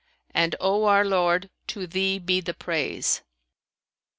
and O our Lord, to Thee be the praise!'